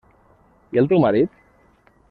I el teu marit?